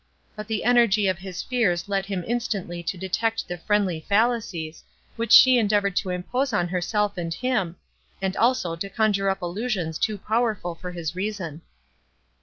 But the energy of his fears led him instantly to detect the friendly fallacies, which she endeavoured to impose on herself and him, and also to conjure up illusions too powerful for his reason.